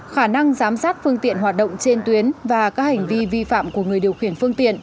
khả năng giám sát phương tiện hoạt động trên tuyến và các hành vi vi phạm của người điều khiển phương tiện